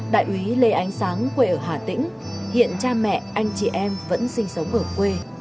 đại úy lê ánh sáng quê ở hà tĩnh hiện cha mẹ anh chị em vẫn sinh sống ở quê